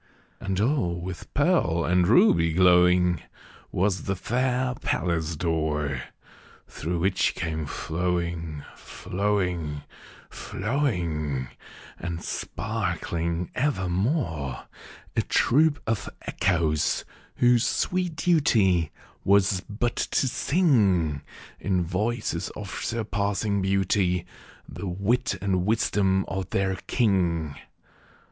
And all with pearl and ruby glowing Was the fair palace door, Through which came flowing, flowing, flowing, And sparkling evermore, A troop of Echoes, whose sweet duty Was but to sing, In voices of surpassing beauty, The wit and wisdom of their king.